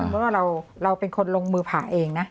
เพราะว่าเราเป็นคนลงมือผ่าเองนะ